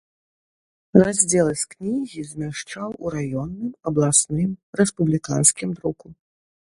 Раздзелы з кнігі змяшчаў у раённым, абласным, рэспубліканскім друку.